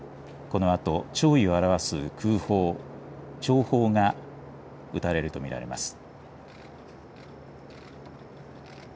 このあと弔意を表す空砲、弔砲が打たれると見られます。